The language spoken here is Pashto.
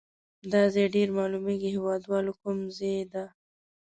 دا ځای در معلومیږي هیواد والو کوم ځای ده؟